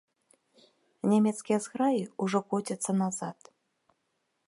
Нямецкія зграі ўжо коцяцца назад.